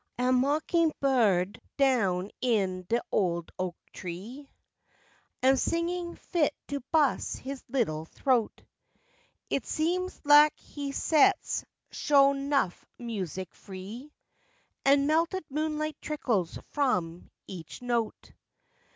A mockin' buhd down in de ol' oak tree Am singin' fit to bus' his li'l' throat; It seems lak he sets sho' nuf music free, An' melted moonlight trickles from each note.